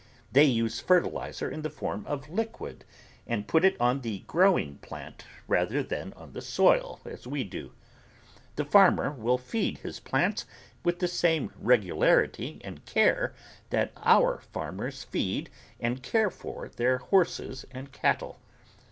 They use fertilizer in the form of liquid and put it on the growing plant rather than on the soil as we do. The farmer will feed his plants with the same regularity and care that our farmers feed and care for their horses and cattle.